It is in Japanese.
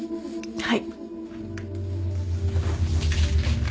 はい。